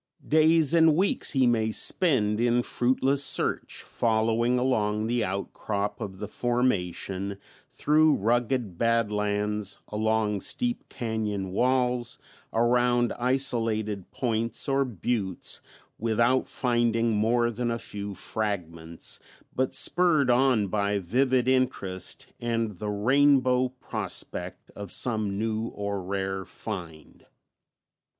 Days and weeks he may spend in fruitless search following along the outcrop of the formation, through rugged badlands, along steep cañon walls, around isolated points or buttes, without finding more than a few fragments, but spurred on by vivid interest and the rainbow prospect of some new or rare find.